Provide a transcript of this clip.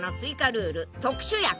ルール特殊役］